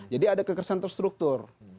jadi ada kekerasan terstruktur